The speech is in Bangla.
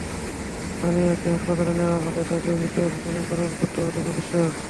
স্থানীয় একটি হাসপাতালে নেওয়া হলে তাঁকে মৃত ঘোষণা করেন কর্তব্যরত চিকিৎসক।